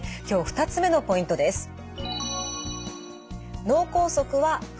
今日２つ目のポイントです。